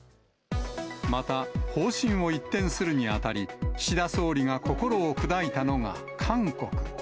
また、方針を一転するにあたり、岸田総理が心を砕いたのが韓国。